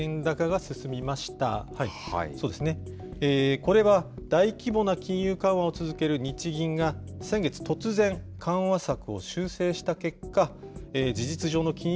これは大規模な金融緩和を続ける日銀が、先月突然、緩和策を修正した結果、事実上の金融